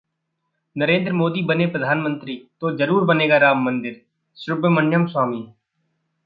नरेंद्र मोदी बने प्रधानमंत्री तो जरूर बनेगा राम मंदिर: सुब्रमण्यम स्वामी